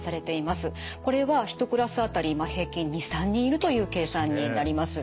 これは１クラス当たり平均２３人いるという計算になります。